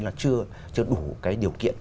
là chưa đủ cái điều kiện